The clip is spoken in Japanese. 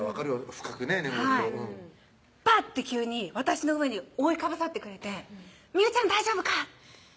深くね眠るとバッて急に私の上に覆いかぶさってくれて「名結ちゃん大丈夫か？」